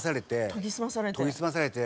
研ぎ澄まされて。